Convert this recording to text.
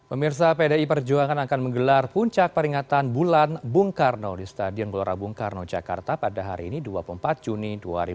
pemirsa pdi perjuangan akan menggelar puncak peringatan bulan bung karno di stadion gelora bung karno jakarta pada hari ini dua puluh empat juni dua ribu dua puluh